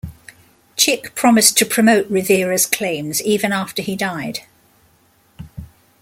Chick promised to promote Rivera's claims even after he died.